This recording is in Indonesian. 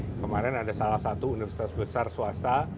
kemarin ada salah satu universitas besar swasta